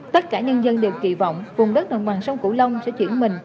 tất cả nhân dân đều kỳ vọng vùng đất đồng bằng sông cửu long sẽ chuyển mình